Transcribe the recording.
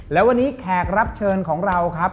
และวันนี้แขกรับเชิญของเราครับ